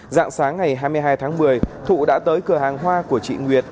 dạng sáng ngày hai mươi hai tháng một mươi thụ đã tới cửa hàng hoa của chị nguyệt